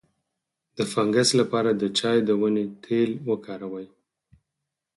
د فنګس لپاره د چای د ونې تېل وکاروئ